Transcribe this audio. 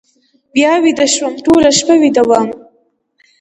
بیا ویده شوم، ټوله شپه ویده وم.